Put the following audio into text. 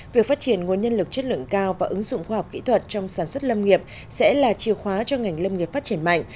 việc phát triển nguồn nhân lực chất lượng cao và ứng dụng khoa học kỹ thuật trong sản xuất lâm nghiệp sẽ là chìa khóa cho ngành lâm nghiệp phát triển mạnh